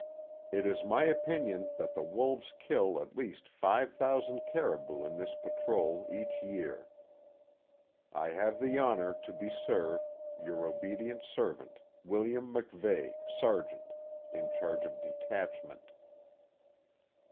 It is my opinion that the wolves kill at least five thousand caribou in this patrol each year. "I have the honor to be, sir, "Your obedient servant, " WILLIAM MACVEIGH, Sergeant, "In charge of detachment."